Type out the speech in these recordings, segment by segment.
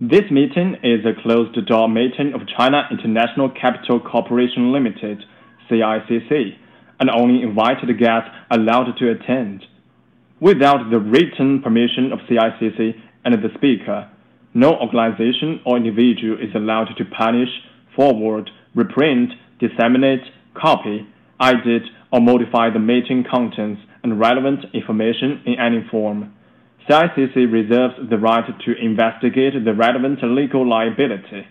This meeting is a closed-door meeting of China International Capital Corporation Limited (CICC), and only invited guests are allowed to attend. Without the written permission of CICC and the speaker, no organization or individual is allowed to publish, forward, reprint, disseminate, copy, edit, or modify the meeting contents and relevant information in any form. CICC reserves the right to investigate the relevant legal liability.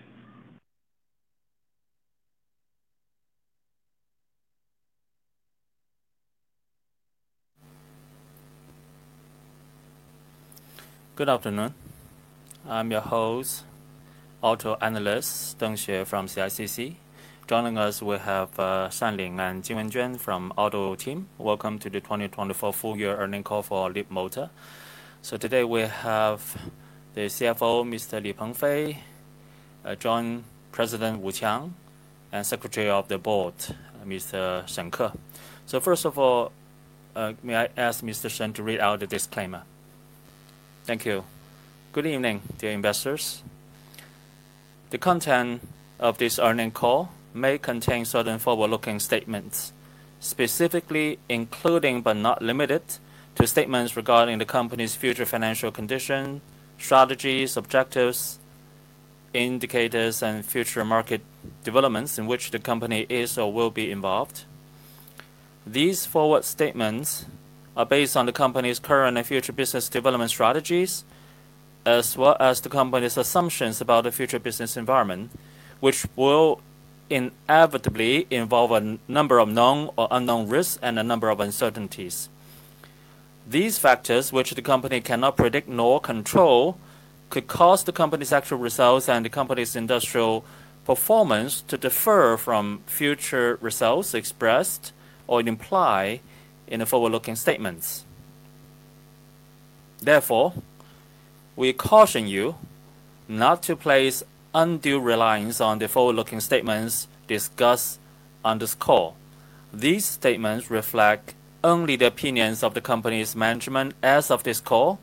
Good afternoon. I'm your host, Auto Analyst Deng Xue from CICC. Joining us, we have [Shanling] and [Jingwen Chen] from Auto Team. Welcome to the 2024 full-year earning call for Leapmotor. Today we have the CFO, Mr. Li Tengfei, Joint President Wu Qiang, and Secretary of the Board, Mr. Shen Ke. First of all, may I ask Mr. Shen to read out the disclaimer? Thank you. Good evening, dear investors. The content of this earning call may contain certain forward-looking statements, specifically including but not limited to statements regarding the company's future financial condition, strategies, objectives, indicators, and future market developments in which the company is or will be involved. These forward statements are based on the company's current and future business development strategies, as well as the company's assumptions about the future business environment, which will inevitably involve a number of known or unknown risks and a number of uncertainties. These factors, which the company cannot predict nor control, could cause the company's actual results and the company's industrial performance to differ from future results expressed or implied in the forward-looking statements. Therefore, we caution you not to place undue reliance on the forward-looking statements discussed on this call. These statements reflect only the opinions of the company's management as of this call,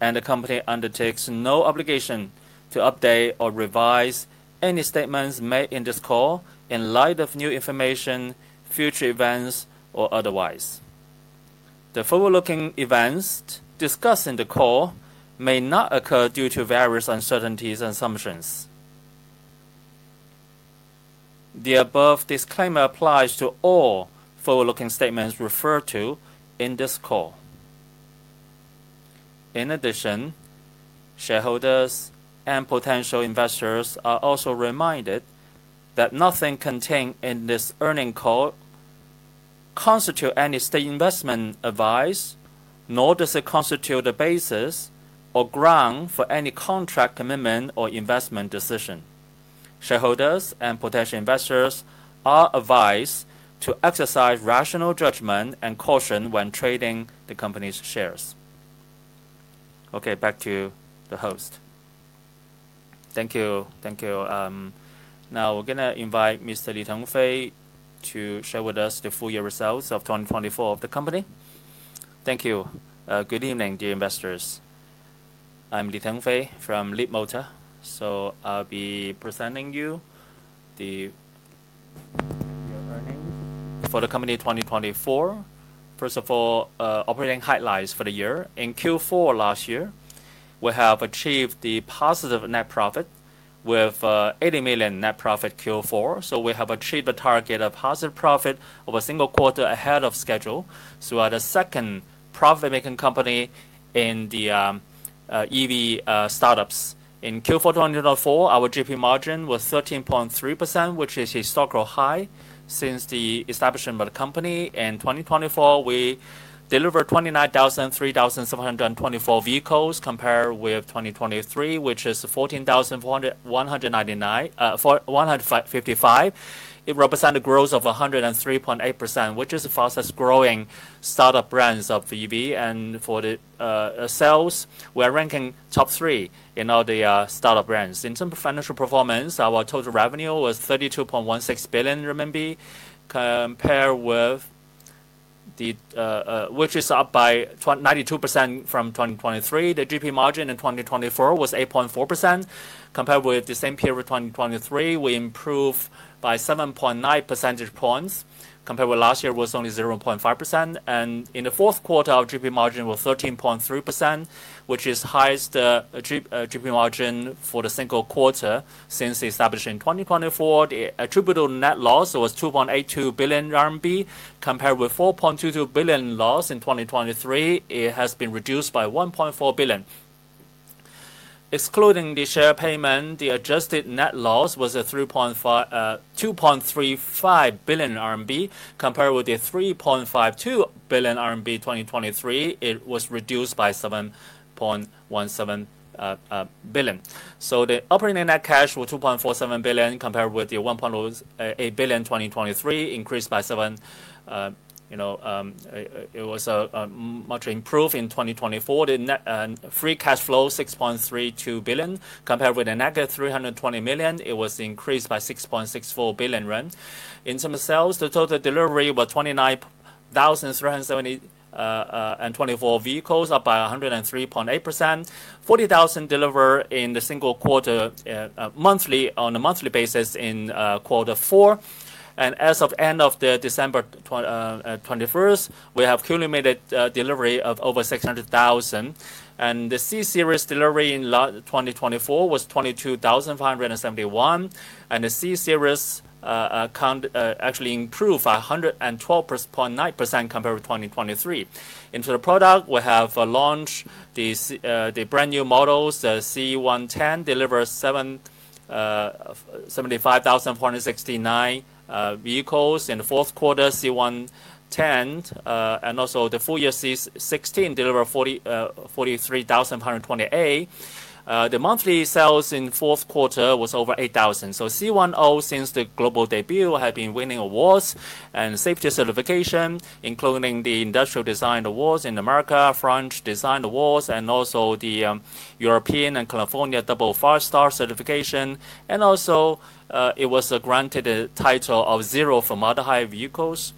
and the company undertakes no obligation to update or revise any statements made in this call in light of new information, future events, or otherwise. The forward-looking events discussed in the call may not occur due to various uncertainties and assumptions. The above disclaimer applies to all forward-looking statements referred to in this call. In addition, shareholders and potential investors are also reminded that nothing contained in this earnings call constitutes any state investment advice, nor does it constitute the basis or ground for any contract commitment or investment decision. Shareholders and potential investors are advised to exercise rational judgment and caution when trading the company's shares. Okay, back to the host. Thank you. Thank you. Now we're going to invite Mr. Li Tengfei to share with us the full-year results of 2024 of the company. Thank you. Good evening, dear investors. I'm Li Tengfei from Leapmotor. I'll be presenting you the earnings for the company 2024. First of all, operating highlights for the year. In Q4 last year, we have achieved the positive net profit with 80 million net profit Q4. We have achieved the target of positive profit over a single quarter ahead of schedule. We are the second profit-making company in the EV startups. In Q4 2024, our GP margin was 13.3%, which is a historical high since the establishment of the company. In 2024, we delivered 293,724 vehicles compared with 2023, which is 144,155. It represents a growth of 103.8%, which is the fastest growing startup brands of EV. For sales, we are ranking top three in all the startup brands. In terms of financial performance, our total revenue was 32.16 billion RMB, which is up by 92% from 2023. The GP margin in 2024 was 8.4%. Compared with the same period of 2023, we improved by 7.9 percentage points. Compared with last year, it was only 0.5%. In the fourth quarter, our GP margin was 13.3%, which is the highest GP margin for the single quarter since the establishment in 2024. The attributable net loss was 2.82 billion RMB. Compared with 4.22 billion loss in 2023, it has been reduced by 1.4 billion. Excluding the share payment, the adjusted net loss was 2.35 billion RMB. Compared with the 3.52 billion in 2023, it was reduced by 1.17 billion. The operating net cash was 8.47 billion. Compared with the 1.08 billion in 2023, it increased by 7 billion. It was much improved in 2024. The net free cash flow was 6.32 billion. Compared with the negative 320 million, it was increased by RMB 6.64 billion. In terms of sales, the total delivery was 293,724 vehicles, up by 103.8%. 40,000 delivered in the single quarter on a monthly basis in quarter four. As of the end of December 31st, we have culminated delivery of over 600,000. The C Series delivery in 2024 was 22,571. The C Series actually improved by 112.9% compared with 2023. In terms of product, we have launched the brand new models, the C10, delivered 75,469 vehicles in the fourth quarter, C10, and also the full-year C16 delivered 43,528. The monthly sales in the fourth quarter was over 8,000. C10, since the global debut, has been winning awards and safety certification, including the Industrial Design Award in America, French Design Award, and also the European and California Double Five-Star certification. It was granted the title of Zero Formaldehyde Vehicles.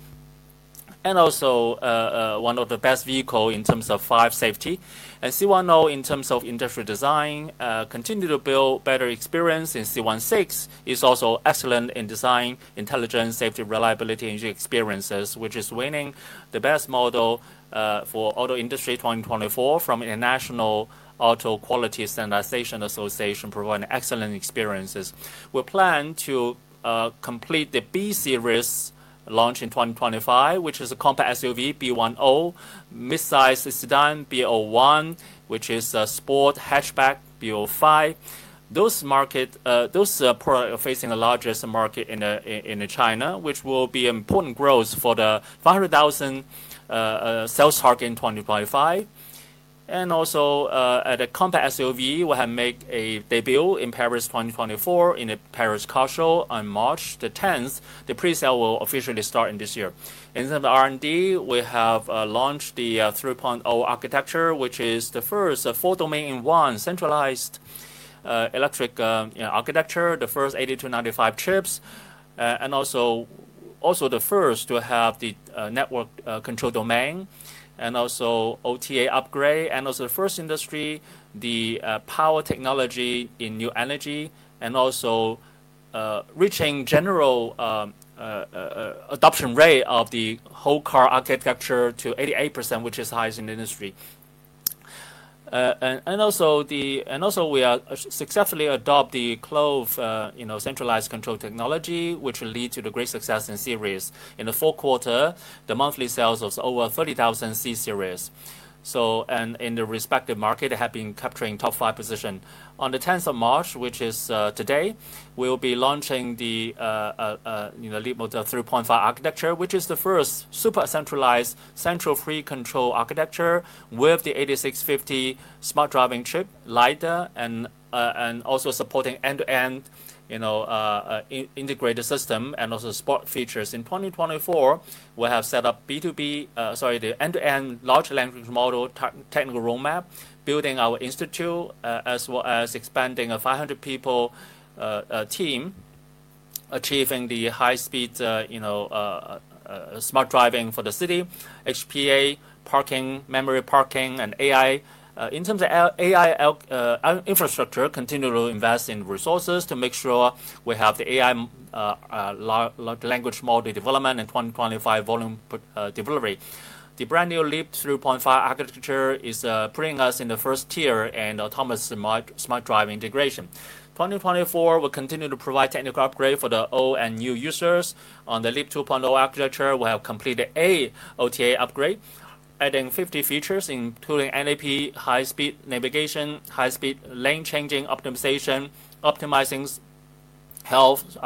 It is also one of the best vehicles in terms of fire safety. C10, in terms of industrial design, continues to build better experience. C16 is also excellent in design, intelligence, safety, reliability, and experiences, which is winning the Best Model for auto industry 2024 from the International Auto Quality Standardization Association, providing excellent experiences. We plan to complete the B Series launch in 2025, which is a compact SUV B10, midsize sedan B01, which is a sport hatchback B05. Those products are facing the largest market in China, which will be an important growth for the 500,000 sales target in 2025. Also, at a compact SUV, we have made a debut in Paris 2024 in the Paris Car Show on March 10. The pre-sale will officially start this year. In terms of R&D, we have launched the 3.0 architecture, which is the first full domain-in-one centralized electric architecture, the first 8295 chips, and also the first to have the network control domain, and also OTA upgrade, and also the first industry, the power technology in new energy, and also reaching general adoption rate of the whole car architecture to 88%, which is highest in the industry. We have successfully adopted the Clover centralized control technology, which led to the great success in series. In the fourth quarter, the monthly sales was over 30,000 C Series. In the respective market, it has been capturing top five position. On the 10th of March, which is today, we will be launching the Leapmotor 3.5 architecture, which is the first super centralized central free control architecture with the 8650 smart driving chip, LiDAR, and also supporting end-to-end integrated system and also sport features. In 2024, we have set up B2B, sorry, the end-to-end large language model technical roadmap, building our institute, as well as expanding a 500-people team, achieving the high-speed smart driving for the city, HPA, parking, memory parking, and AI. In terms of AI infrastructure, we continue to invest in resources to make sure we have the AI language model development and 2025 volume delivery. The brand new LEAP 3.5 architecture is putting us in the first tier in autonomous smart driving integration. In 2024, we continue to provide technical upgrades for the old and new users. On the LEAP 2.0 architecture, we have completed eight OTA upgrade, adding 50 features, including NAP, high-speed navigation, high-speed lane changing optimization, optimizing health,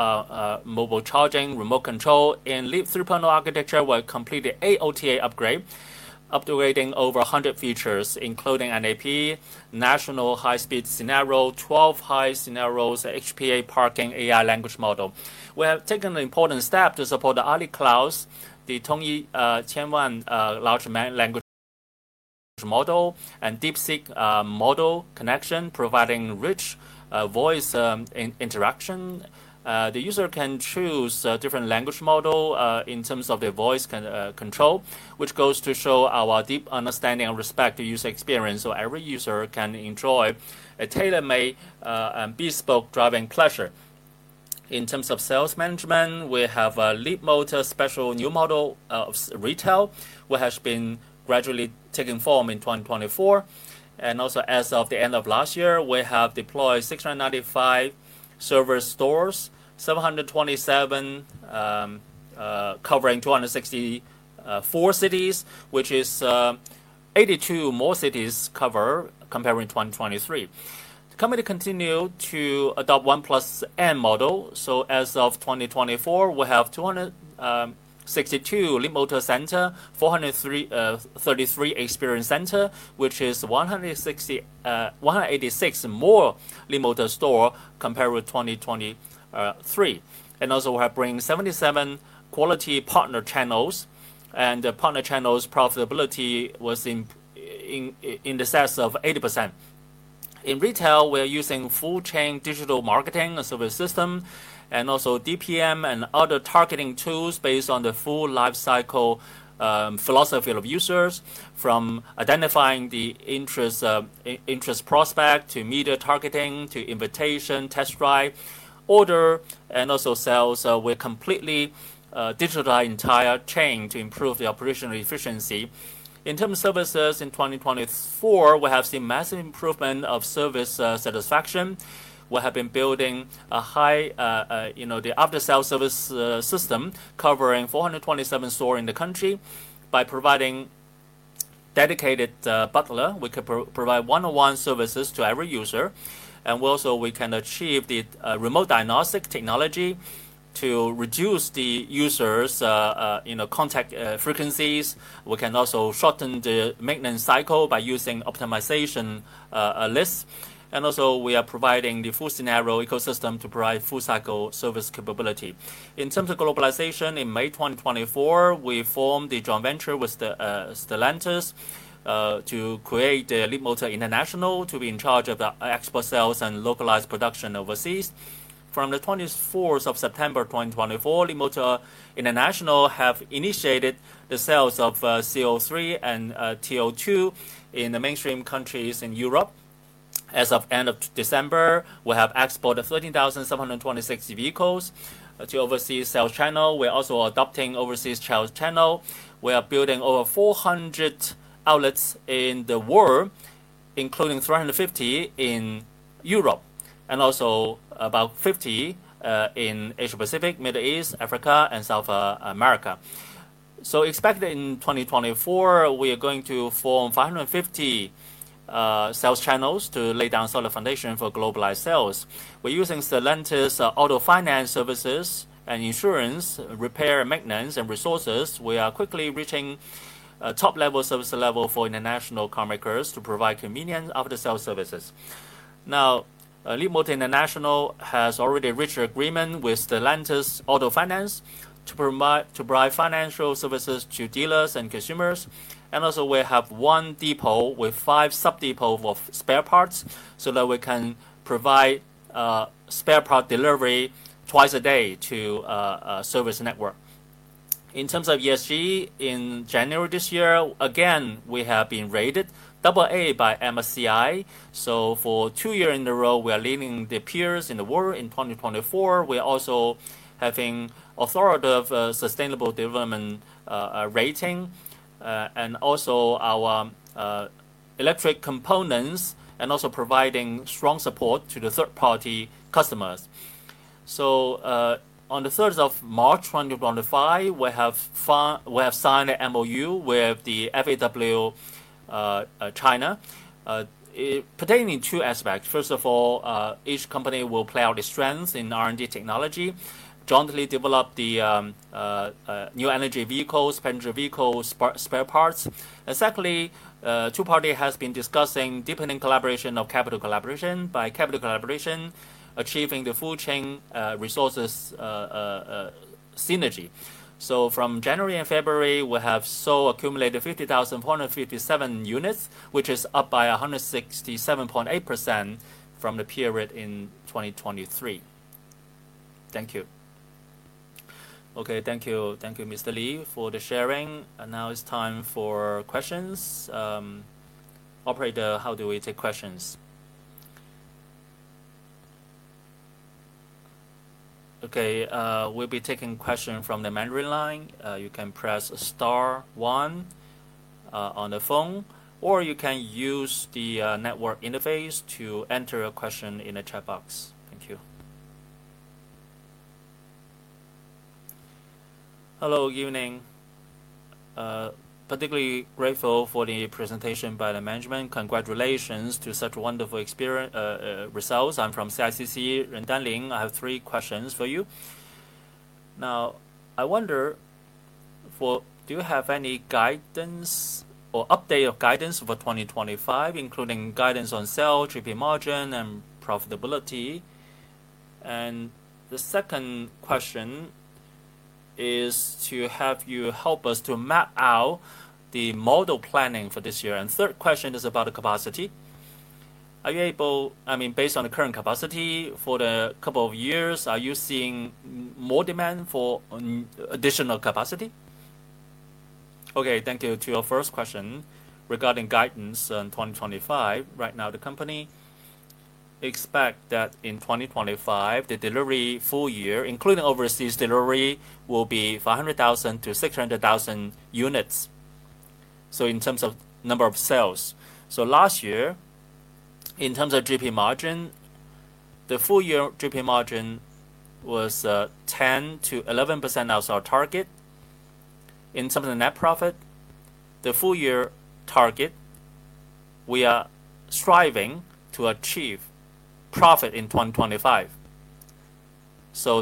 mobile charging, remote control. In LEAP 3.0 architecture, we have completed eight OTA upgrade, upgrading over 100 features, including NAP, national high-speed scenario, 12 high scenarios, HPA parking, AI language model. We have taken an important step to support the AliCloud, the Tongyi Qianwen large language model, and DeepSeek model connection, providing rich voice interaction. The user can choose different language models in terms of their voice control, which goes to show our deep understanding and respect for user experience. Every user can enjoy a tailor-made bespoke driving pleasure. In terms of sales management, we have a Leapmotor special new model of retail, which has been gradually taking form in 2024. Also, as of the end of last year, we have deployed 695 server stores, 727 covering 264 cities, which is 82 more cities covered compared with 2023. The company continues to adopt 1+N model. As of 2024, we have 262 Leapmotor centers, 433 experience centers, which is 186 more Leapmotor stores compared with 2023. We have brought in 77 quality partner channels, and the partner channels' profitability was in excess of 80%. In retail, we are using full-chain digital marketing and service systems, and also DMP and other targeting tools based on the full-lifecycle philosophy of users, from identifying the interest prospect to media targeting to invitation, test drive, order, and also sales. We completely digitalized the entire chain to improve the operational efficiency. In terms of services, in 2024, we have seen massive improvement of service satisfaction. We have been building a high, after-sales service system covering 427 stores in the country. By providing dedicated butler, we can provide one-on-one services to every user. We can achieve the remote diagnostic technology to reduce the users' contact frequencies. We can also shorten the maintenance cycle by using optimization lists. We are providing the full scenario ecosystem to provide full-cycle service capability. In terms of globalization, in May 2024, we formed the joint venture with Stellantis to create Leapmotor International to be in charge of the export sales and localized production overseas. From the 24th of September 2024, Leapmotor International has initiated the sales of C03 and T02 in the mainstream countries in Europe. As of the end of December, we have exported 13,726 vehicles to overseas sales channels. We are also adopting overseas sales channels. We are building over 400 outlets in the world, including 350 in Europe and also about 50 in Asia-Pacific, Middle East, Africa, and South America. Expected in 2024, we are going to form 550 sales channels to lay down a solid foundation for globalized sales. We're using Stellantis' auto finance services and insurance, repair, maintenance, and resources. We are quickly reaching top-level service level for international car makers to provide convenient after-sales services. Now, Leapmotor International has already reached an agreement with Stellantis' auto finance to provide financial services to dealers and consumers. We have one depot with five sub-depots of spare parts so that we can provide spare part delivery twice a day to the service network. In terms of ESG, in January this year, again, we have been rated AA by MSCI. For two years in a row, we are leading the peers in the world. In 2024, we are also having authoritative sustainable development rating and also our electric components and also providing strong support to the third-party customers. On the 3rd of March 2025, we have signed an MOU with FAW China, pertaining to two aspects. First of all, each company will play out its strengths in R&D technology, jointly develop the new energy vehicles, passenger vehicles, spare parts. Secondly, two parties have been discussing deepening collaboration of capital collaboration. By capital collaboration, achieving the full-chain resources synergy. From January and February, we have so accumulated 50,457 units, which is up by 167.8% from the period in 2023. Thank you. Thank you, Mr. Li, for the sharing. Now it's time for questions. Operator, how do we take questions? Okay, we'll be taking questions from the mandatory line. You can press star one on the phone, or you can use the network interface to enter a question in the chat box. Thank you. Hello, good evening. Particularly grateful for the presentation by the management. Congratulations to such wonderful results. I'm from CICC, Ren Danlin. I have three questions for you. Now, I wonder, do you have any guidance or update of guidance for 2025, including guidance on sale, GP margin, and profitability? The second question is to have you help us to map out the model planning for this year. The third question is about the capacity. I mean, based on the current capacity for the couple of years, are you seeing more demand for additional capacity? Okay, thank you. To your first question regarding guidance in 2025, right now, the company expects that in 2025, the delivery full year, including overseas delivery, will be 500,000-600,000 units. In terms of number of sales. Last year, in terms of GP margin, the full-year GP margin was 10%-11% of our target. In terms of net profit, the full-year target, we are striving to achieve profit in 2025.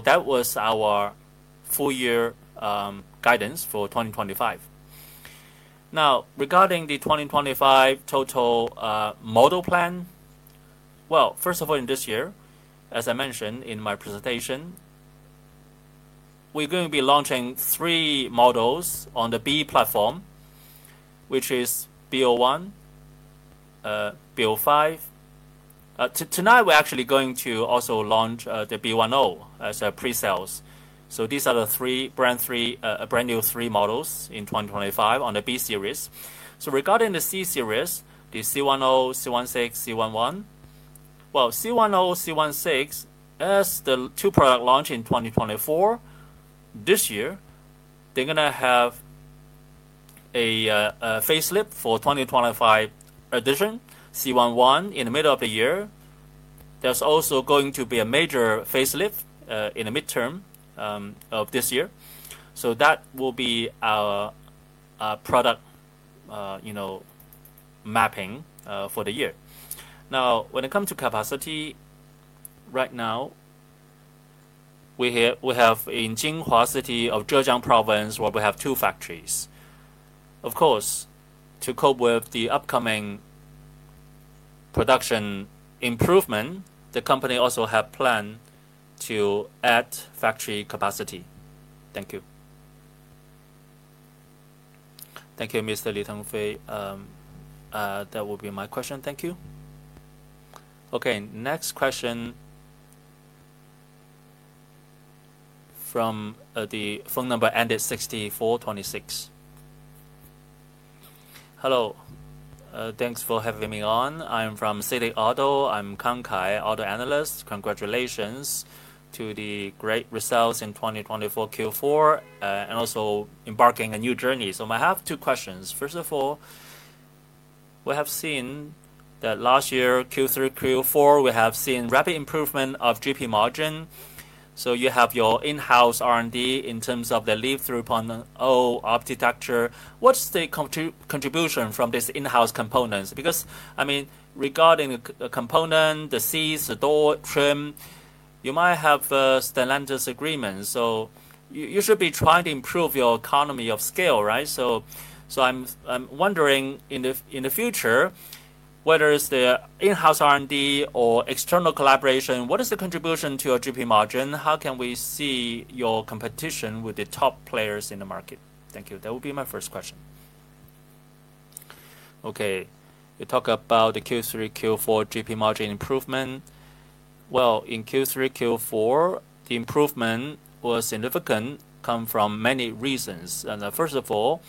That was our full-year guidance for 2025. Now, regarding the 2025 total model plan, first of all, in this year, as I mentioned in my presentation, we're going to be launching three models on the B platform, which is B01, B05. Tonight, we're actually going to also launch the B10 as a pre-sales. These are the brand new three models in 2025 on the B Series. Regarding the C Series, the C10, C16, C11. Well, C10, C16, as the two products launched in 2024, this year, they are going to have a facelift for the 2025 edition. C11, in the middle of the year, there is also going to be a major facelift in the midterm of this year. That will be our product mapping for the year. Now, when it comes to capacity, right now, we have in Jinhua City of Zhejiang Province, where we have two factories. Of course, to cope with the upcoming production improvement, the company also has planned to add factory capacity. Thank you. Thank you, Mr. Li Tengfei. That will be my question. Thank you. Okay. Next question from the phone number ending 6426. Hello. Thanks for having me on. I am from Citi Auto. I am Kang Kai, auto analyst. Congratulations to the great results in 2024 Q4 and also embarking on a new journey. I have two questions. First of all, we have seen that last year, Q3, Q4, we have seen rapid improvement of GP margin. You have your in-house R&D in terms of the LEAP 3.0 architecture. What's the contribution from these in-house components? Because, I mean, regarding the component, the seats, the door, trim, you might have a Stellantis agreement. You should be trying to improve your economy of scale, right? I'm wondering in the future, whether it's the in-house R&D or external collaboration, what is the contribution to your GP margin? How can we see your competition with the top players in the market? Thank you. That will be my first question. Okay. You talk about the Q3, Q4 GP margin improvement. In Q3, Q4, the improvement was significant come from many reasons. First of all,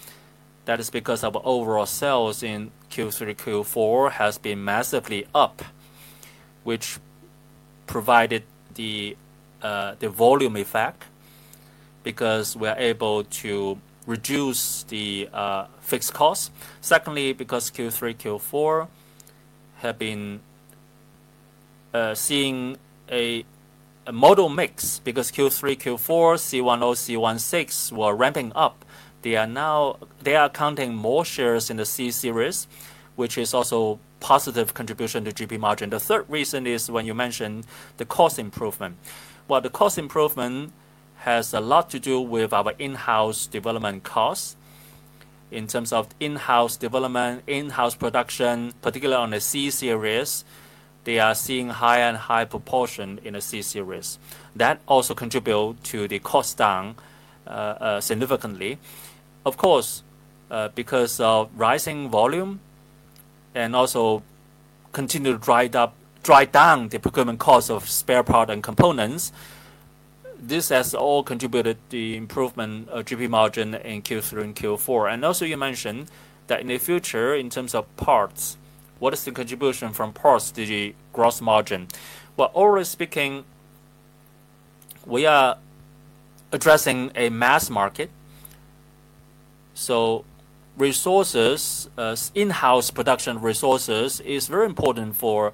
that is because of overall sales in Q3, Q4 has been massively up, which provided the volume effect because we are able to reduce the fixed costs. Secondly, because Q3, Q4 have been seeing a model mix because Q3, Q4, C10, C16 were ramping up. They are counting more shares in the C Series, which is also a positive contribution to GP margin. The third reason is when you mentioned the cost improvement. The cost improvement has a lot to do with our in-house development costs. In terms of in-house development, in-house production, particularly on the C Series, they are seeing higher and higher proportion in the C Series. That also contributes to the cost down significantly. Of course, because of rising volume and also continued drive down, the procurement cost of spare parts and components, this has all contributed to the improvement of GP margin in Q3 and Q4. You mentioned that in the future, in terms of parts, what is the contribution from parts to the gross margin? Overall speaking, we are addressing a mass market. In-house production resources are very important for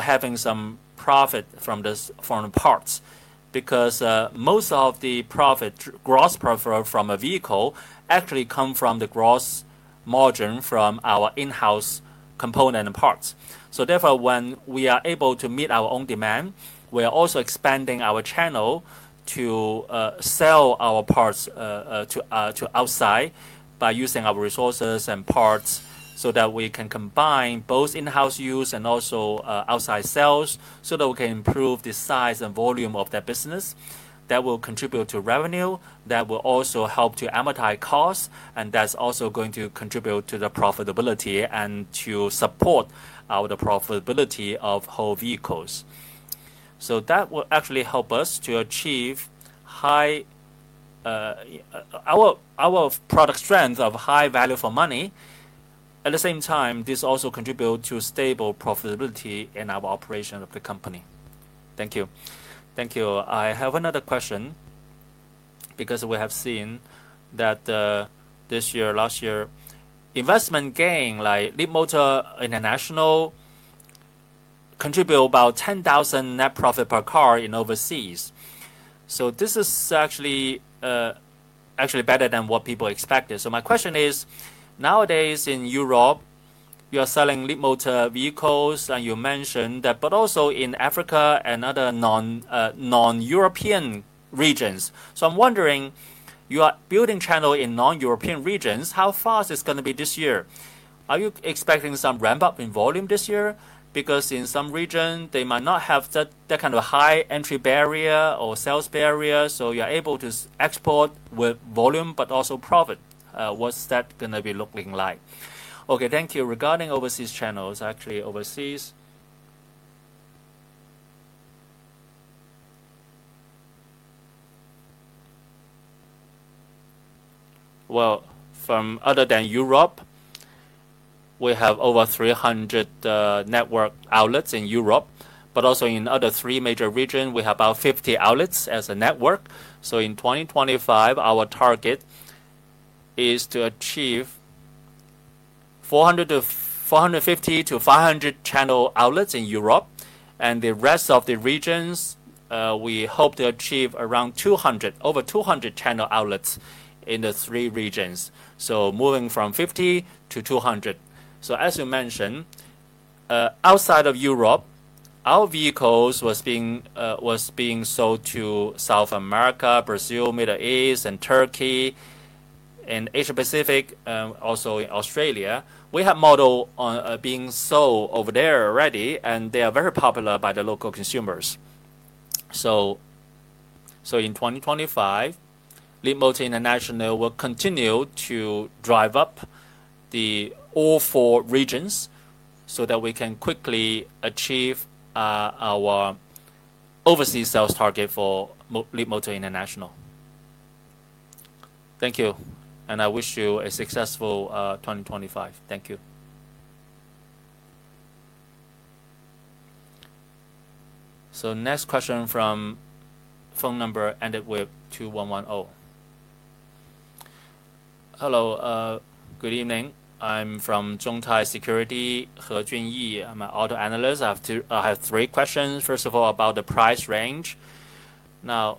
having some profit from these foreign parts because most of the gross profit from a vehicle actually comes from the gross margin from our in-house component and parts. Therefore, when we are able to meet our own demand, we are also expanding our channel to sell our parts to outside by using our resources and parts so that we can combine both in-house use and also outside sales so that we can improve the size and volume of that business. That will contribute to revenue. That will also help to amortize costs, and that is also going to contribute to the profitability and to support the profitability of whole vehicles. That will actually help us to achieve our product strength of high value for money. At the same time, this also contributes to stable profitability in our operation of the company. Thank you. Thank you. I have another question because we have seen that this year, last year, investment gain like Leapmotor International contributed about 10,000 net profit per car in overseas. This is actually better than what people expected. My question is, nowadays in Europe, you are selling Leapmotor vehicles, and you mentioned that, but also in Africa and other non-European regions. I'm wondering, you are building channel in non-European regions. How fast is it going to be this year? Are you expecting some ramp-up in volume this year? In some regions, they might not have that kind of high entry barrier or sales barrier. You're able to export with volume, but also profit. What's that going to be looking like? Thank you. Regarding overseas channels, actually overseas, other than Europe, we have over 300 network outlets in Europe, but also in other three major regions, we have about 50 outlets as a network. In 2025, our target is to achieve 450-500 channel outlets in Europe, and the rest of the regions, we hope to achieve around 200, over 200 channel outlets in the three regions. Moving from 50 to 200. As you mentioned, outside of Europe, our vehicles were being sold to South America, Brazil, Middle East, and Turkey, and Asia-Pacific, and also in Australia. We have models being sold over there already, and they are very popular by the local consumers. In 2025, Leapmotor International will continue to drive up all four regions so that we can quickly achieve our overseas sales target for Leapmotor International. Thank you. I wish you a successful 2025. Thank you. Next question from phone number ending with 2110. Hello. Good evening. I'm from Zhongtai Securities, He Junyi. I'm an Auto Analyst. I have three questions. First of all, about the price range. Now,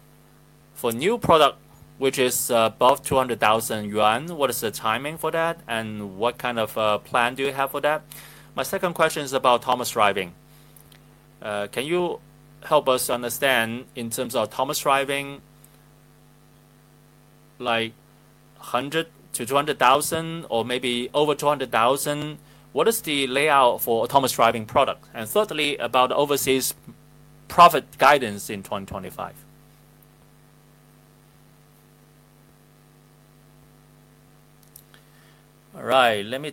for new product, which is above 200,000 yuan, what is the timing for that, and what kind of plan do you have for that? My second question is about autonomous driving. Can you help us understand in terms of autonomous driving, like 100,000-200,000 or maybe over 200,000? What is the layout for autonomous driving product? Thirdly, about overseas profit guidance in 2025. All right. Let me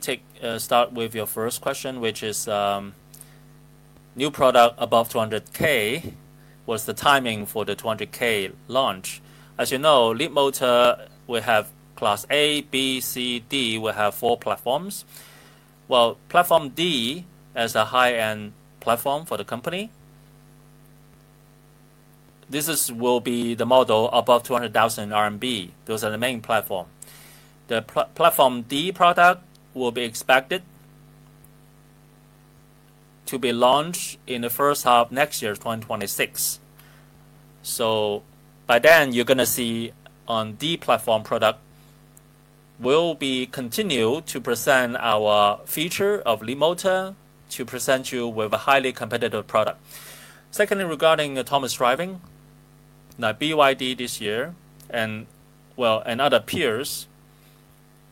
start with your first question, which is new product above 200,000. What's the timing for the 200,000 launch? As you know, Leapmotor, we have class A, B, C, D. We have four platforms. Platform D is a high-end platform for the company. This will be the model above 200,000 RMB. Those are the main platform. The platform D product will be expected to be launched in the first half of next year, 2026. By then, you're going to see on D platform product, we'll continue to present our feature of Leapmotor to present you with a highly competitive product. Secondly, regarding autonomous driving, now BYD this year and, and other peers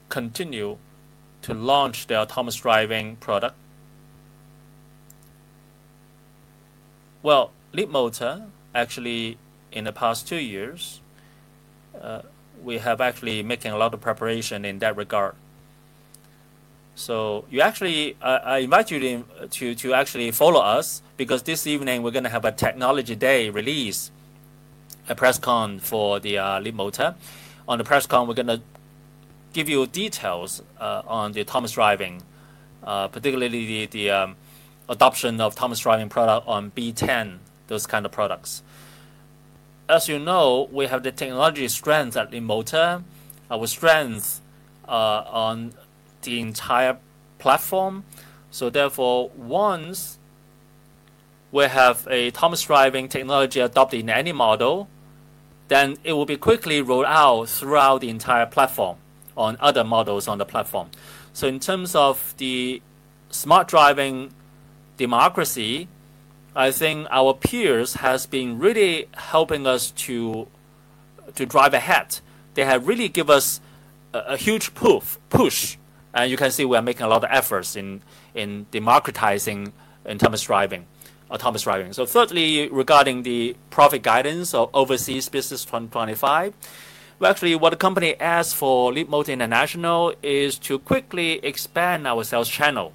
continue to launch their autonomous driving product. Leapmotor, actually, in the past two years, we have actually been making a lot of preparation in that regard. I invite you to actually follow us because this evening, we're going to have a Technology Day release, a press con for the Leapmotor. On the press con, we're going to give you details on the autonomous driving, particularly the adoption of autonomous driving product on B10, those kind of products. As you know, we have the technology strength at Leapmotor. Our strength on the entire platform. Therefore, once we have an autonomous driving technology adopted in any model, it will be quickly rolled out throughout the entire platform on other models on the platform. In terms of the smart driving democracy, I think our peers have been really helping us to drive ahead. They have really given us a huge push. You can see we are making a lot of efforts in democratizing autonomous driving. Thirdly, regarding the profit guidance of overseas business 2025, actually, what the company asked for Leapmotor International is to quickly expand our sales channel.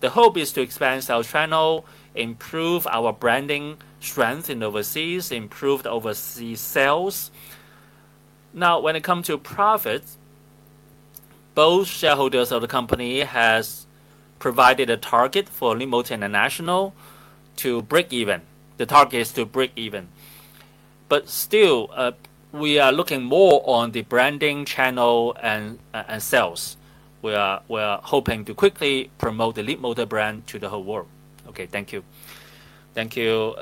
The hope is to expand sales channel, improve our branding strength in overseas, improve overseas sales. Now, when it comes to profit, both shareholders of the company have provided a target for Leapmotor International to break even. The target is to break even. Still, we are looking more on the branding channel and sales. We are hoping to quickly promote the Leapmotor brand to the whole world. Okay. Thank you. Thank you,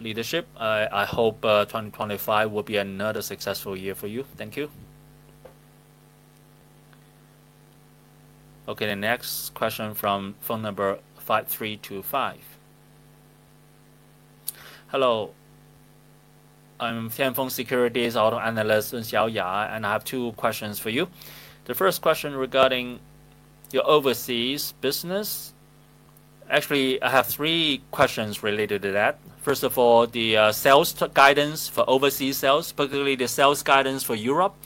leadership. I hope 2025 will be another successful year for you. Thank you. Okay. The next question from phone number 5325. Hello. I'm Tianfeng Securities Auto Analyst, Shao Jiang, and I have two questions for you. The first question regarding your overseas business. Actually, I have three questions related to that. First of all, the sales guidance for overseas sales, particularly the sales guidance for Europe.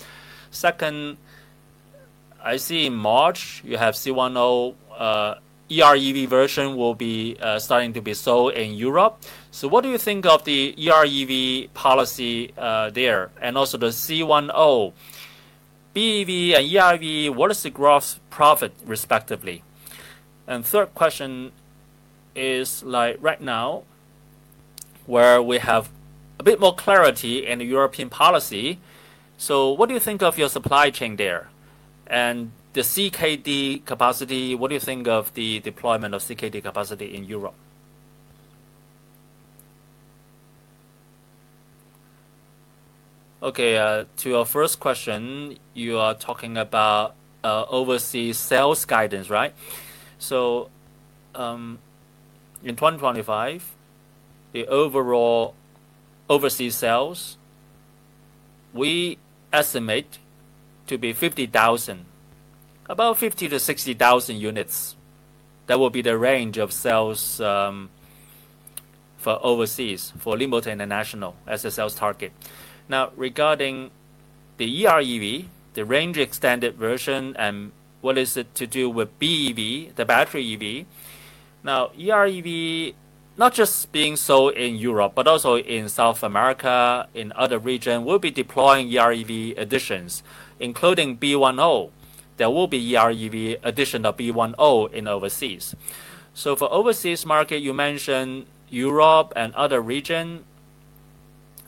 Second, I see in March, you have C10 REEV version will be starting to be sold in Europe. What do you think of the REEV policy there? Also, the C10 BEV and REEV, what is the gross profit respectively? The third question is right now, where we have a bit more clarity in the European policy. What do you think of your supply chain there? The CKD capacity, what do you think of the deployment of CKD capacity in Europe? Okay. To your first question, you are talking about overseas sales guidance, right? In 2025, the overall overseas sales, we estimate to be 50,000, about 50,000-60,000 units. That will be the range of sales for overseas for Leapmotor International as a sales target. Now, regarding the REEV, the range extended version, and what is it to do with BEV, the battery EV? REEV, not just being sold in Europe, but also in South America, in other regions, we will be deploying REEV additions, including B10. There will be REEV addition of B10 in overseas. For overseas market, you mentioned Europe and other regions.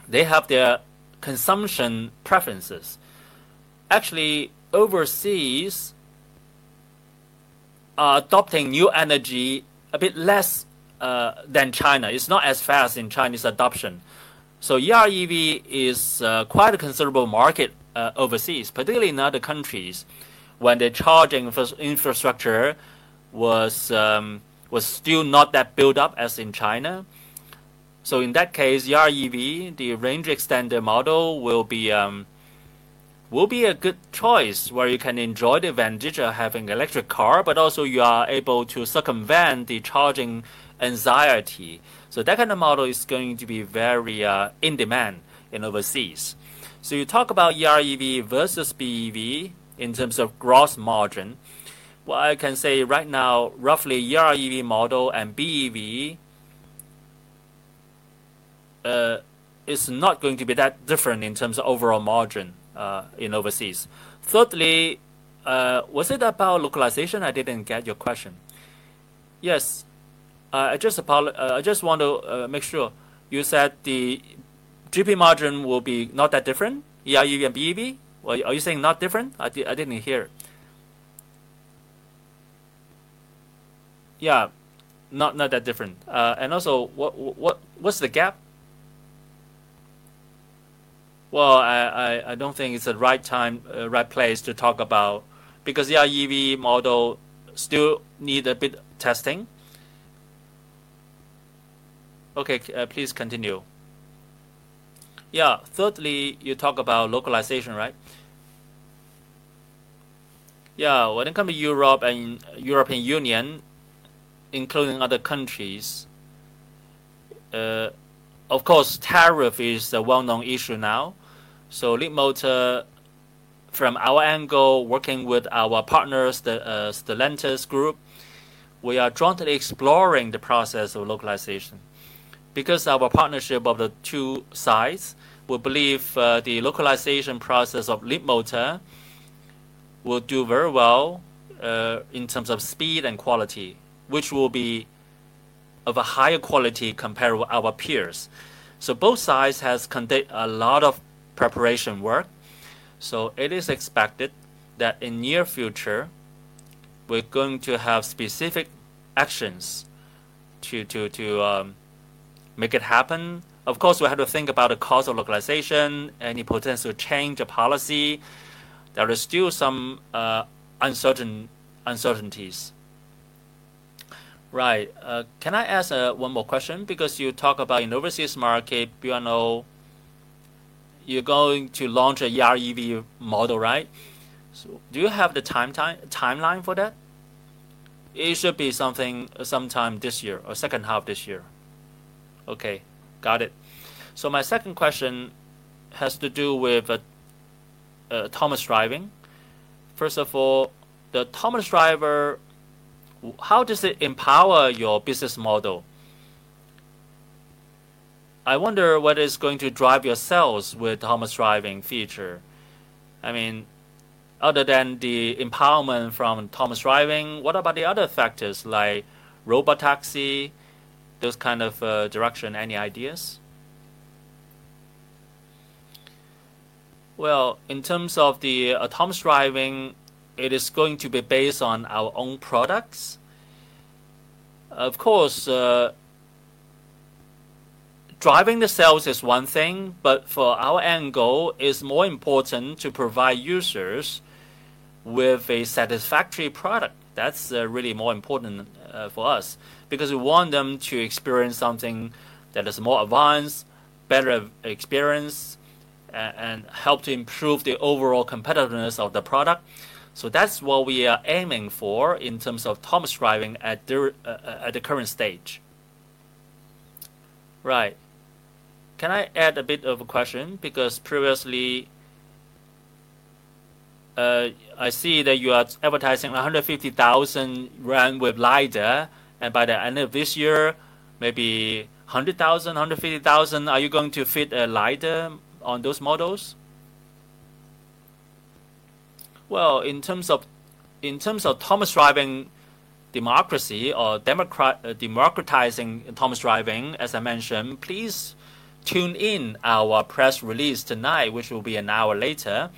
They have their consumption preferences. Actually, overseas are adopting new energy a bit less than China. It's not as fast in Chinese adoption. REEV is quite a considerable market overseas, particularly in other countries when the charging infrastructure was still not that built up as in China. In that case, REEV, the range extended model will be a good choice where you can enjoy the advantage of having an electric car, but also you are able to circumvent the charging anxiety. That kind of model is going to be very in demand in overseas. You talk about REEV versus BEV in terms of gross margin. I can say right now, roughly REEV model and BEV is not going to be that different in terms of overall margin in overseas. Thirdly, was it about localization? I didn't get your question. Yes. I just want to make sure you said the GP margin will be not that different, REEV and BEV. Are you saying not different? I didn't hear. Yeah. Not that different. Also, what's the gap? I don't think it's the right time, right place to talk about because the REEV model still needs a bit of testing. Okay. Please continue. Thirdly, you talk about localization, right? Yeah. When it comes to Europe and the European Union, including other countries, of course, tariff is a well-known issue now. Leapmotor, from our angle, working with our partners, the Stellantis group, we are jointly exploring the process of localization because of our partnership of the two sides. We believe the localization process of Leapmotor will do very well in terms of speed and quality, which will be of a higher quality compared with our peers. Both sides have conducted a lot of preparation work. It is expected that in the near future, we're going to have specific actions to make it happen. Of course, we have to think about the cost of localization, any potential change of policy. There are still some uncertainties. Right. Can I ask one more question? Because you talk about in the overseas market, you're going to launch an REEV model, right? Do you have the timeline for that? It should be sometime this year or second half this year. Okay. Got it. My second question has to do with autonomous driving. First of all, the autonomous driver, how does it empower your business model? I wonder what is going to drive your sales with autonomous driving feature. I mean, other than the empowerment from autonomous driving, what about the other factors like robotaxi, those kind of direction? Any ideas? In terms of the autonomous driving, it is going to be based on our own products. Of course, driving the sales is one thing, but for our end goal, it is more important to provide users with a satisfactory product. That is really more important for us because we want them to experience something that is more advanced, better experience, and help to improve the overall competitiveness of the product. That is what we are aiming for in terms of autonomous driving at the current stage. Right. Can I add a bit of a question? Because previously, I see that you are advertising RMB 150,000 with LiDAR, and by the end of this year, maybe 100,000-150,000. Are you going to fit a LiDAR on those models? In terms of autonomous driving democracy or democratizing autonomous driving, as I mentioned, please tune in to our press release tonight, which will be an hour later,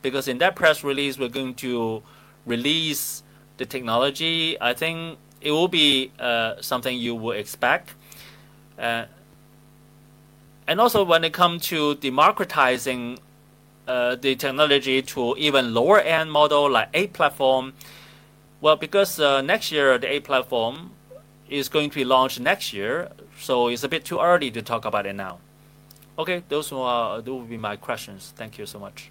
because in that press release, we're going to release the technology. I think it will be something you will expect. Also, when it comes to democratizing the technology to even lower-end models like A platform, because next year, the A platform is going to be launched next year, it is a bit too early to talk about it now. Okay. Those will be my questions. Thank you so much.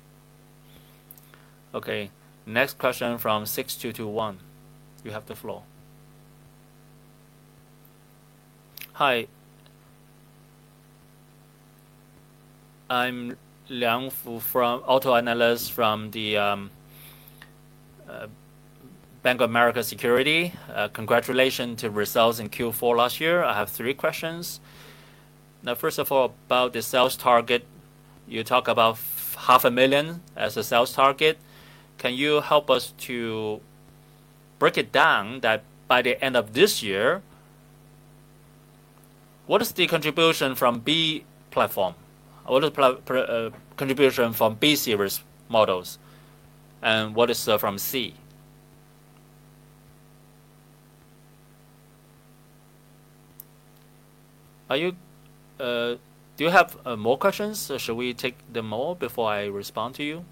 Okay. Next question from 6221. You have the floor. Hi. I'm [Liang Fu], Auto Analyst from Bank of America Securities. Congratulations to results in Q4 last year. I have three questions. Now, first of all, about the sales target, you talk about 500,000 as a sales target. Can you help us to break it down that by the end of this year, what is the contribution from B platform? What is the contribution from B Series models? And what is from C? Do you have more questions? Or should we take them all before I respond to you?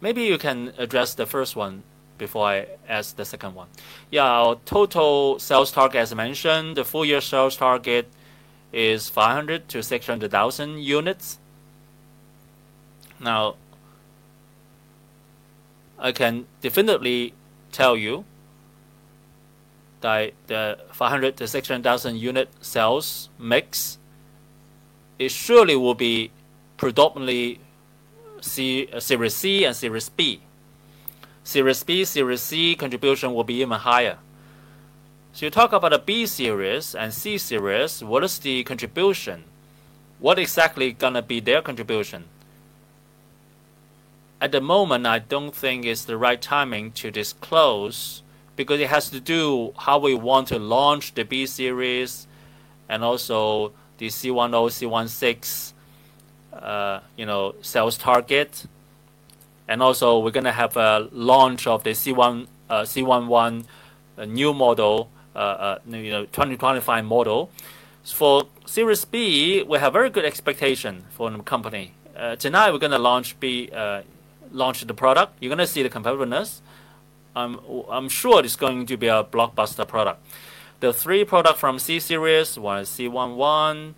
Maybe you can address the first one before I ask the second one. Yeah. Our total sales target, as mentioned, the full-year sales target is 500,000- 600,000 units. Now, I can definitely tell you that the 500,000-600,000 unit sales mix surely will be predominantly Series C and Series B. Series B, Series C contribution will be even higher. You talk about the B Series and C Series, what is the contribution? What exactly is going to be their contribution? At the moment, I don't think it's the right timing to disclose because it has to do with how we want to launch the B Series and also the C10, C16 sales target. Also, we're going to have a launch of the C11, a new model, 2025 model. For Series B, we have very good expectations from the company. Tonight, we're going to launch the product. You're going to see the competitiveness. I'm sure it's going to be a blockbuster product. The three products from C Series, C11,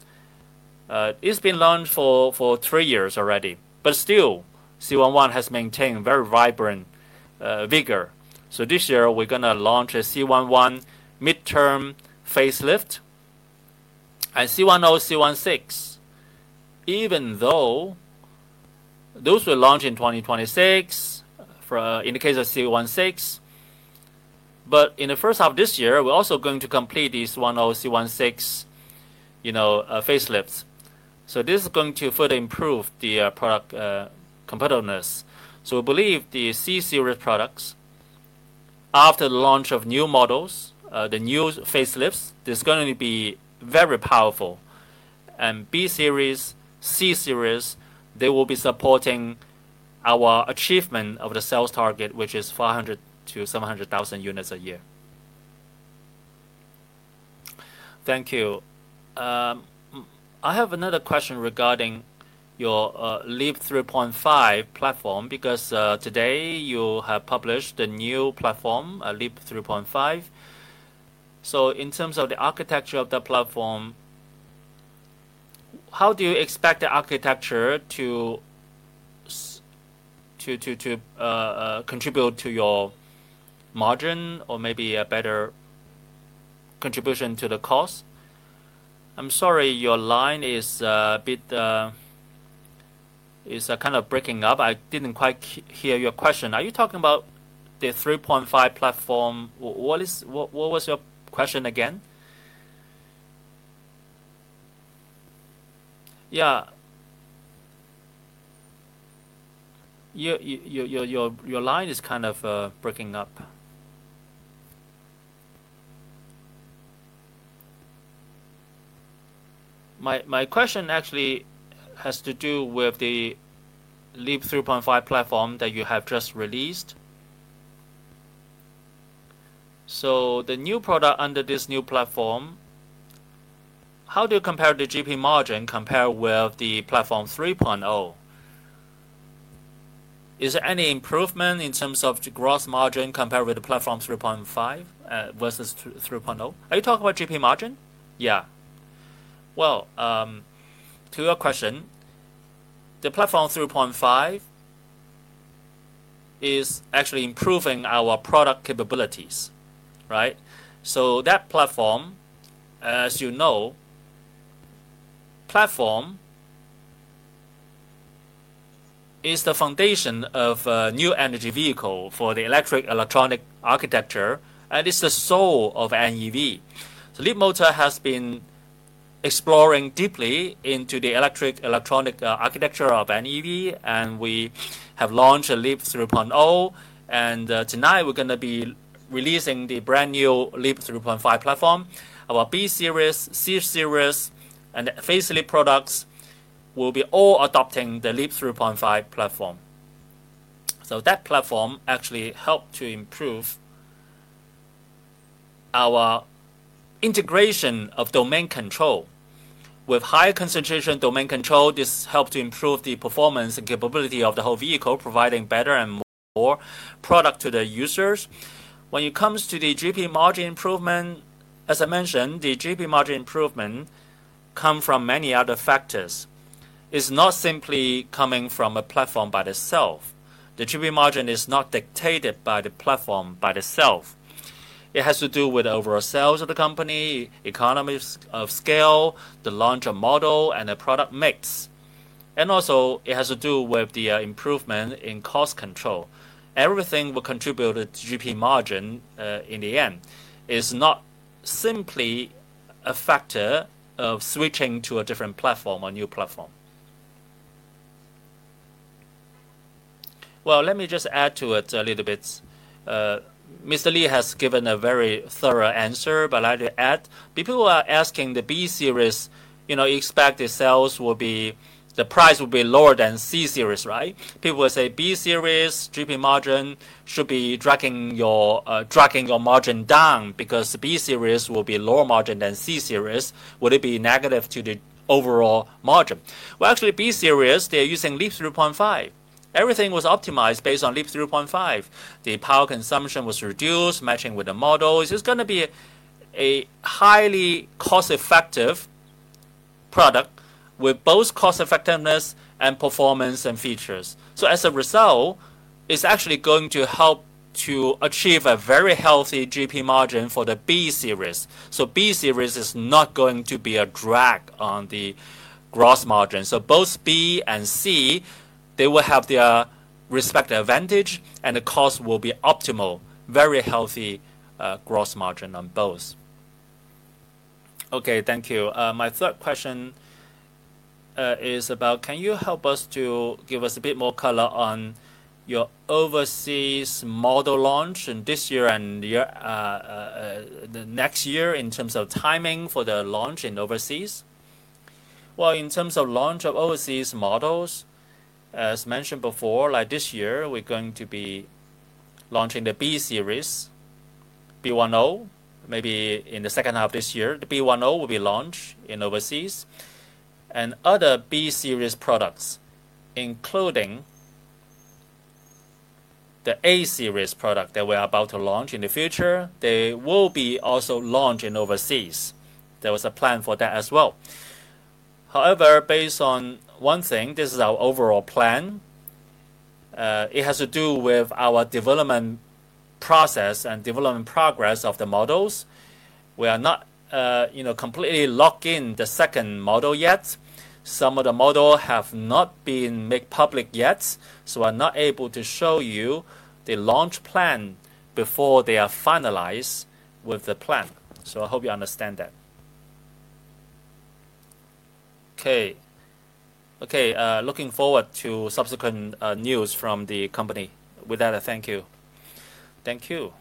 it's been launched for three years already. Still, C11 has maintained very vibrant vigor. This year, we're going to launch a C11 midterm facelift and C10, C16, even though those were launched in 2026 in the case of C16. In the first half of this year, we're also going to complete these 10, C16 facelifts. This is going to further improve the product competitiveness. We believe the C Series products, after the launch of new models, the new facelifts, are going to be very powerful. B Series and C Series will be supporting our achievement of the sales target, which is 500,000-700,000 units a year. Thank you. I have another question regarding your LEAP 3.5 platform because today, you have published the new platform, LEAP 3.5. In terms of the architecture of the platform, how do you expect the architecture to contribute to your margin or maybe a better contribution to the cost? I'm sorry, your line is a bit kind of breaking up. I didn't quite hear your question. Are you talking about the 3.5 platform? What was your question again? Yeah. Your line is kind of breaking up. My question actually has to do with the LEAP 3.5 platform that you have just released. So the new product under this new platform, how do you compare the GP margin compared with the platform 3.0? Is there any improvement in terms of gross margin compared with the platform 3.5 versus 3.0? Are you talking about GP margin? Yeah. To your question, the platform 3.5 is actually improving our product capabilities, right? That platform, as you know, is the foundation of a new energy vehicle for the electric electronic architecture, and it's the soul of NEV. Leapmotor has been exploring deeply into the electric electronic architecture of NEV, and we have launched a LEAP 3.0. Tonight, we're going to be releasing the brand new LEAP 3.5 platform. Our B Series, C Series, and facelift products will be all adopting the LEAP 3.5 platform. That platform actually helped to improve our integration of domain control. With higher concentration domain control, this helped to improve the performance and capability of the whole vehicle, providing better and more product to the users. When it comes to the GP margin improvement, as I mentioned, the GP margin improvement comes from many other factors. It's not simply coming from a platform by itself. The GP margin is not dictated by the platform by itself. It has to do with the overall sales of the company, economies of scale, the launch of model, and the product mix. It also has to do with the improvement in cost control. Everything will contribute to GP margin in the end. It's not simply a factor of switching to a different platform or new platform. Let me just add to it a little bit. Mr. Li has given a very thorough answer, but I'd like to add, people who are asking the B Series, you expect the sales will be the price will be lower than C Series, right? People will say B Series GP margin should be dragging your margin down because B Series will be lower margin than C Series. Would it be negative to the overall margin? Actually, B Series, they're using LEAP 3.5. Everything was optimized based on LEAP 3.5. The power consumption was reduced, matching with the model. It's just going to be a highly cost-effective product with both cost-effectiveness and performance and features. As a result, it's actually going to help to achieve a very healthy GP margin for the B Series. B Series is not going to be a drag on the gross margin. Both B and C, they will have their respective advantage, and the cost will be optimal, very healthy gross margin on both. Thank you. My third question is about, can you help us to give us a bit more color on your overseas model launch this year and the next year in terms of timing for the launch in overseas? In terms of launch of overseas models, as mentioned before, like this year, we're going to be launching the B Series, B10, maybe in the second half of this year. The B10 will be launched in overseas. Other B Series products, including the A Series product that we're about to launch in the future, they will be also launched in overseas. There was a plan for that as well. However, based on one thing, this is our overall plan. It has to do with our development process and development progress of the models. We are not completely locked in the second model yet. Some of the models have not been made public yet, so I'm not able to show you the launch plan before they are finalized with the plan. I hope you understand that. Okay. Okay. Looking forward to subsequent news from the company. With that, I thank you. Thank you.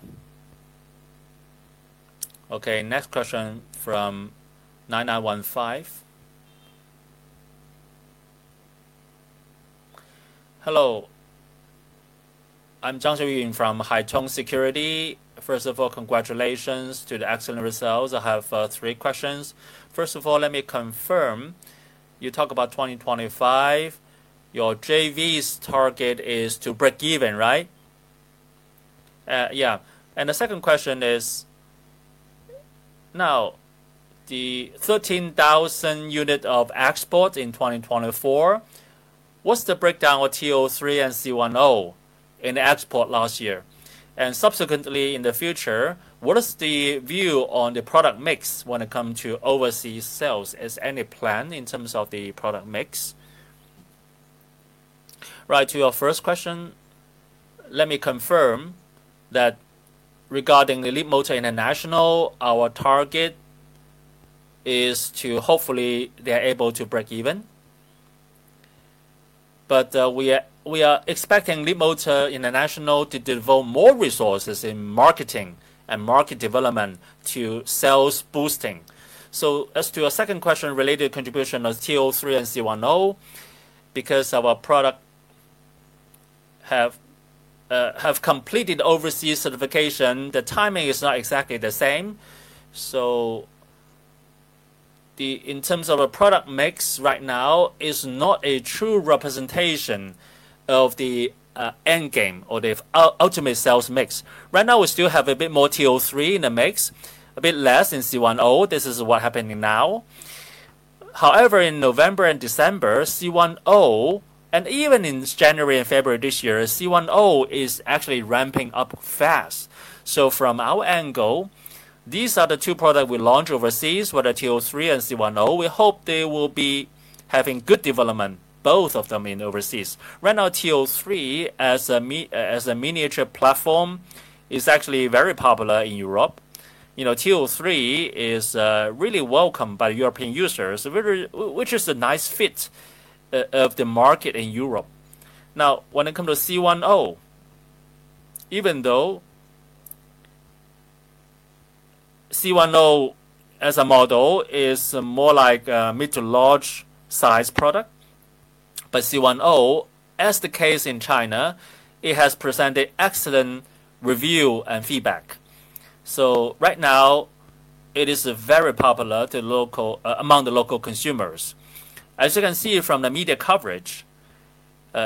Okay. Next question from 9915. Hello. I'm [Zhang Zhuying] from Haitong Securities. First of all, congratulations to the excellent results. I have three questions. First of all, let me confirm, you talk about 2025. Your JV's target is to break even, right? Yeah. The second question is, now, the 13,000 units of export in 2024, what's the breakdown of T03 and C10 in export last year? Subsequently, in the future, what is the view on the product mix when it comes to overseas sales? Is there any plan in terms of the product mix? Right. To your first question, let me confirm that regarding Leapmotor International, our target is to hopefully they're able to break even. We are expecting Leapmotor International to devote more resources in marketing and market development to sales boosting. As to your second question related to contribution of T03 and C10, because our products have completed overseas certification, the timing is not exactly the same. In terms of a product mix right now, it's not a true representation of the end game or the ultimate sales mix. Right now, we still have a bit more T03 in the mix, a bit less in C10. This is what's happening now. However, in November and December, C10, and even in January and February this year, C10 is actually ramping up fast. From our angle, these are the two products we launched overseas, whether T03 and C10. We hope they will be having good development, both of them in overseas. Right now, T03 as a miniature platform is actually very popular in Europe. T03 is really welcomed by European users, which is a nice fit of the market in Europe. Now, when it comes to C10, even though C10 as a model is more like a mid to large-sized product, C10, as the case in China, has presented excellent review and feedback. Right now, it is very popular among the local consumers. As you can see from the media coverage,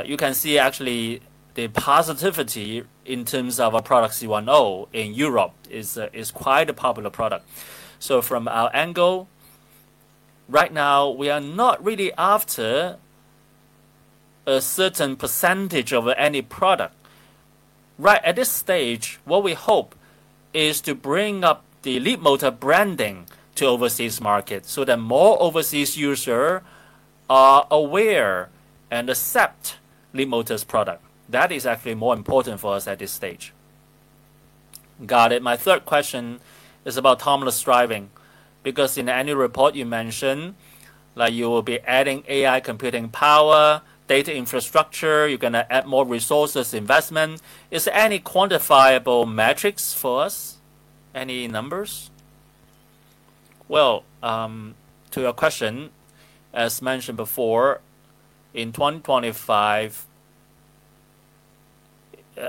you can see actually the positivity in terms of our product C10 in Europe is quite a popular product. From our angle, right now, we are not really after a certain percentage of any product. At this stage, what we hope is to bring up the Leapmotor branding to overseas market so that more overseas users are aware and accept Leapmotor's product. That is actually more important for us at this stage. Got it. My third question is about autonomous driving because in the annual report, you mentioned that you will be adding AI computing power, data infrastructure. You're going to add more resources investment. Is there any quantifiable metrics for us? Any numbers? To your question, as mentioned before, in 2025,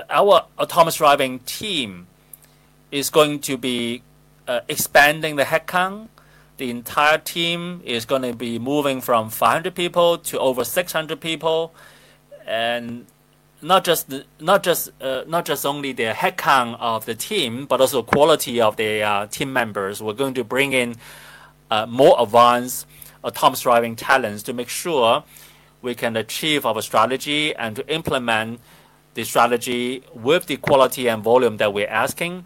our autonomous driving team is going to be expanding the headcount. The entire team is going to be moving from 500 people to over 600 people. Not just only the headcount of the team, but also quality of the team members. We're going to bring in more advanced autonomous driving talents to make sure we can achieve our strategy and to implement the strategy with the quality and volume that we're asking.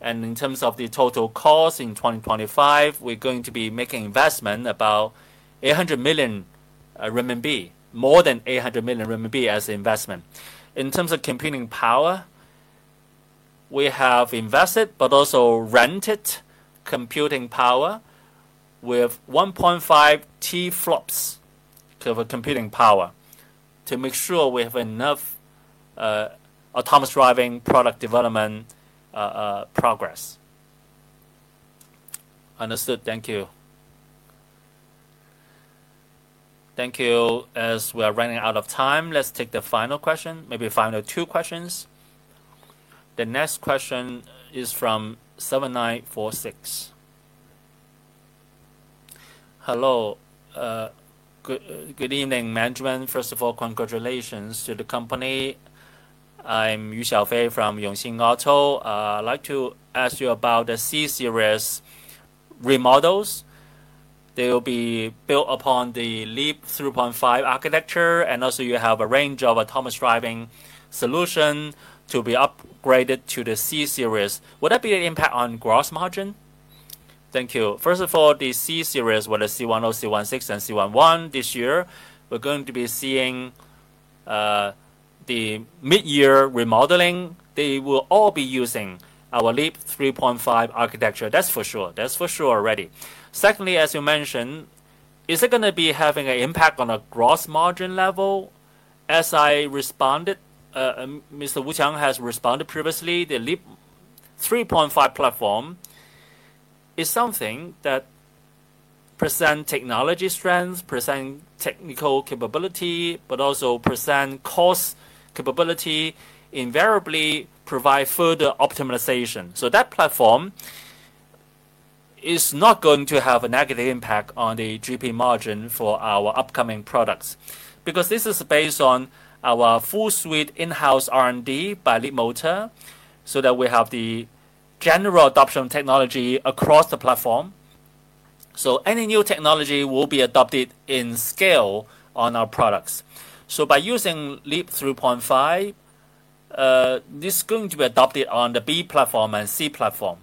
In terms of the total cost in 2025, we're going to be making investment about 800 million RMB, more than 800 million RMB as an investment. In terms of computing power, we have invested but also rented computing power with 1.5 TFLOPS of computing power to make sure we have enough autonomous driving product development progress. Understood. Thank you. Thank you. As we are running out of time, let's take the final question, maybe final two questions. The next question is from 7946. Hello. Good evening, management. First of all, congratulations to the company. I'm [Yu Xiaofei] from Yongxin Auto. I'd like to ask you about the C Series remodels. They will be built upon the LEAP 3.5 architecture. Also, you have a range of autonomous driving solutions to be upgraded to the C Series. Would that be an impact on gross margin? Thank you. First of all, the C Series with the C10, C16, and C11 this year, we're going to be seeing the mid-year remodeling. They will all be using our LEAP 3.5 architecture. That's for sure. That's for sure already. Secondly, as you mentioned, is it going to be having an impact on a gross margin level? As I responded, Mr. Wu Qiang has responded previously. The LEAP 3.5 platform is something that presents technology strength, presents technical capability, but also presents cost capability, invariably provides further optimization. That platform is not going to have a negative impact on the GP margin for our upcoming products because this is based on our full-suite in-house R&D by Leapmotor so that we have the general adoption technology across the platform. Any new technology will be adopted in scale on our products. By using LEAP 3.5, this is going to be adopted on the B platform and C platform.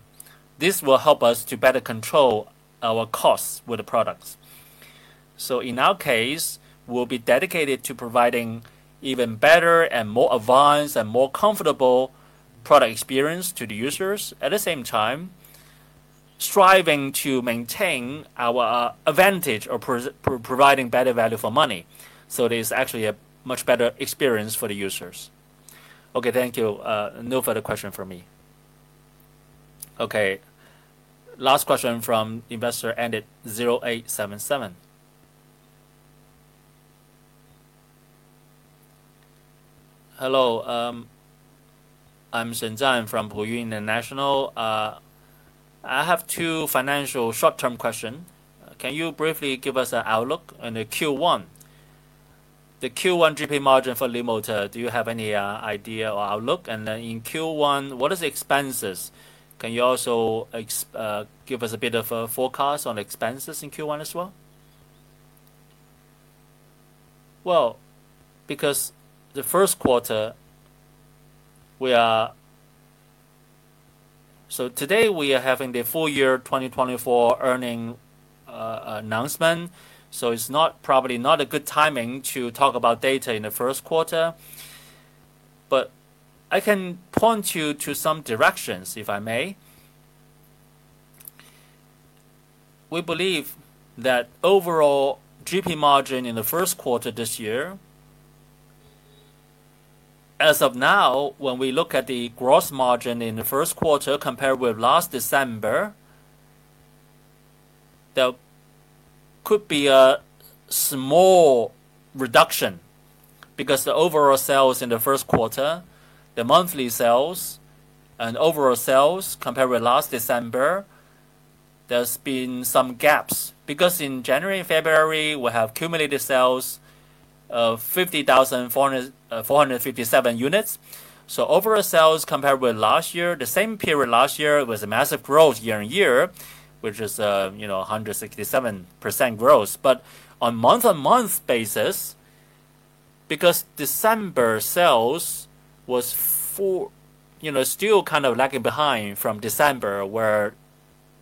This will help us to better control our costs with the products. In our case, we'll be dedicated to providing even better and more advanced and more comfortable product experience to the users at the same time, striving to maintain our advantage of providing better value for money. It is actually a much better experience for the users. Okay. Thank you. No further question from me. Okay. Last question from investor ended 0877. Hello. I'm [Zhen Xian] from [Pǔyín] International. I have two financial short-term questions. Can you briefly give us an outlook on the Q1? The Q1 GP margin for Leapmotor, do you have any idea or outlook? In Q1, what are the expenses? Can you also give us a bit of a forecast on expenses in Q1 as well? Because the first quarter, we are so today, we are having the full-year 2024 earning announcement. It is probably not a good timing to talk about data in the first quarter. I can point you to some directions if I may. We believe that overall GP margin in the first quarter this year, as of now, when we look at the gross margin in the first quarter compared with last December, there could be a small reduction because the overall sales in the first quarter, the monthly sales and overall sales compared with last December, there's been some gaps because in January and February, we have cumulative sales of 50,457 units. Overall sales compared with the same period last year was a massive growth year-on-year, which is 167% growth. On a month-on-month basis, because December sales was still kind of lagging behind from December where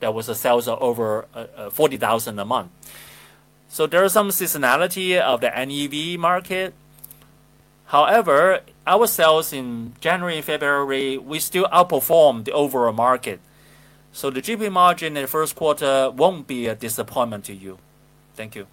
there were sales of over 40,000 a month, there is some seasonality of the NEV market. However, our sales in January and February, we still outperformed the overall market. The GP margin in the first quarter won't be a disappointment to you. Thank you.